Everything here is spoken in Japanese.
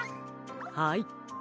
はい。